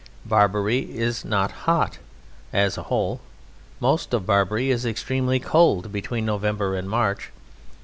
Barbary is not hot, as a whole: most of Barbary is extremely cold between November and March.